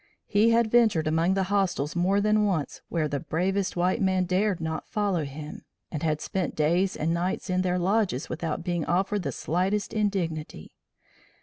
He had ventured among the hostiles more than once where the bravest white man dared not follow him, and had spent days and nights in their lodges without being offered the slightest indignity.